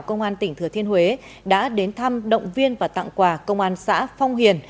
công an tỉnh thừa thiên huế đã đến thăm động viên và tặng quà công an xã phong hiền